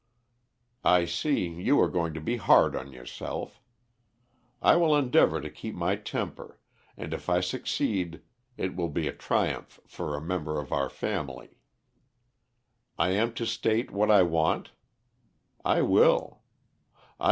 "I see you are going to be hard on yourself. I will endeavour to keep my temper, and if I succeed it will be a triumph for a member of our family. I am to state what I want? I will.